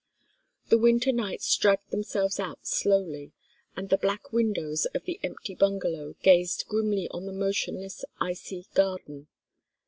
The winter nights dragged themselves out slowly, and the black windows of the empty bungalow gazed grimly on the motionless, icy garden.